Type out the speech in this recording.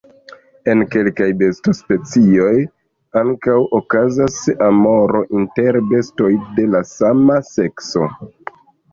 En kelkaj besto-specioj ankaŭ okazas amoro inter bestoj de la sama sekso.